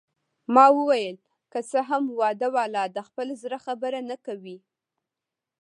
ما وویل: که څه هم واده والا د خپل زړه خبره نه کوي.